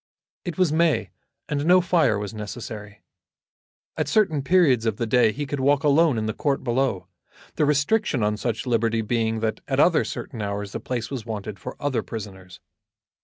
It was May, and no fire was necessary. At certain periods of the day he could walk alone in the court below, the restriction on such liberty being that at other certain hours the place was wanted for other prisoners.